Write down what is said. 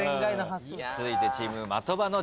続いてチーム的場の挑戦。